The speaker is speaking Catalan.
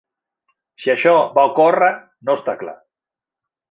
Si això va ocórrer no està clar.